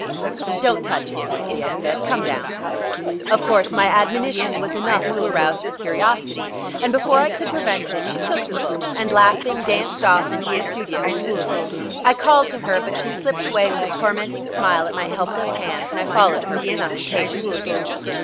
"Don't touch it, Tessie," I said; "come down." Of course my admonition was enough to arouse her curiosity, and before I could prevent it she took the book and, laughing, danced off into the studio with it. I called to her, but she slipped away with a tormenting smile at my helpless hands, and I followed her with some impatience.